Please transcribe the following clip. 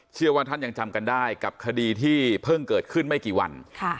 เชื่อว่าท่านยังจำกันได้กับคดีที่เพิ่งเกิดขึ้นไม่กี่วัน